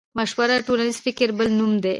مشوره د ټولنيز فکر بل نوم دی.